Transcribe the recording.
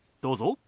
どうぞ。